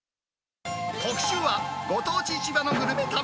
特集はご当地市場のグルメ旅。